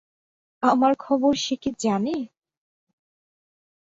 আমার খবর সে কী জানে?